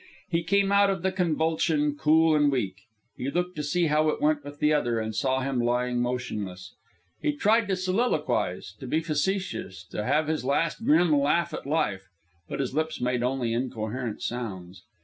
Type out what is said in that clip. He came out of the convulsion cool and weak. He looked to see how it went with the other, and saw him lying motionless. He tried to soliloquize, to be facetious, to have his last grim laugh at life, but his lips made only incoherent sounds.